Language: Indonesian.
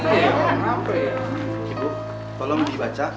ibu tolong dibaca